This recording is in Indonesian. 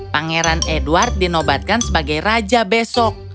pangeran edward dinobatkan sebagai raja besok